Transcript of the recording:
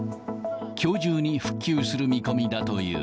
きょう中に復旧する見込みだという。